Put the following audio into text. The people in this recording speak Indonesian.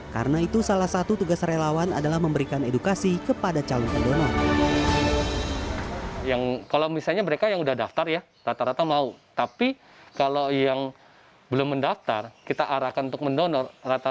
karena itu salah satu tugas relawan adalah memberikan edukasi kepada calon pedonor